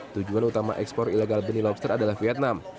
tujuan utama ekspor ilegal benih lobster adalah vietnam